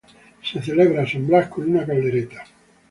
Se celebra San Blas con una caldereta.